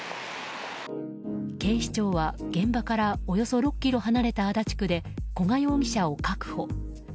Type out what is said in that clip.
警視庁は、現場からおよそ６ｋｍ離れた足立区で古賀容疑者を確保。